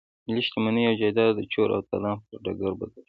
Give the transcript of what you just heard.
ملي شتمني او جايداد د چور او تالان پر ډګر بدل شو.